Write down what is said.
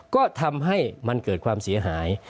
ก็ทำให้มันเกิดความเสียหาย